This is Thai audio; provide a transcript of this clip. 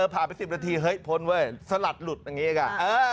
ผ่านไป๑๐นาทีเฮ้ยพ้นเว้ยสลัดหลุดอย่างนี้เอง